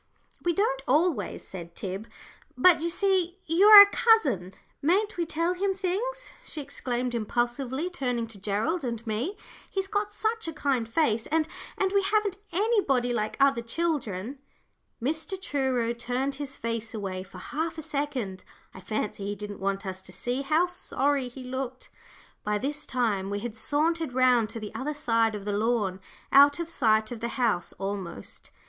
"We don't always," said Tib; "but you see you are a cousin; mayn't we tell him things?" she exclaimed, impulsively, turning to Gerald and me. "He's got such a kind face, and and we haven't anybody like other children." Mr. Truro turned his face away for half a second. I fancy he didn't want us to see how sorry he looked. By this time we had sauntered round to the other side of the lawn, out of sight of the house almost.